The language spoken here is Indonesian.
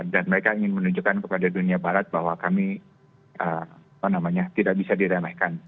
dan mereka ingin menunjukkan kepada dunia barat bahwa kami tidak bisa diremehkan